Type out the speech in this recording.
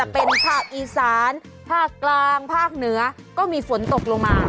เป็นฝั่งอีกศาลฝากกลางเพราะฝั่งเหนือก็มีฝนตกลงมา